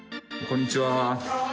こんにちは。